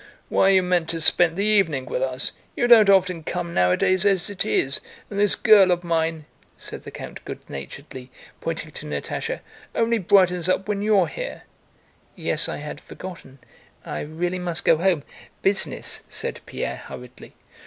Why, you meant to spend the evening with us.... You don't often come nowadays as it is, and this girl of mine," said the count good naturedly, pointing to Natásha, "only brightens up when you're here." "Yes, I had forgotten... I really must go home... business..." said Pierre hurriedly.